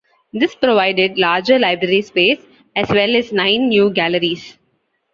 This provided larger library space, as well as nine new galleries.